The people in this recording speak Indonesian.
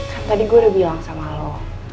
kan tadi gue udah bilang sama lo